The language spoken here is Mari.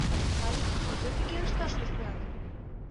— Алик, кузе тыге ышташ тоштынат?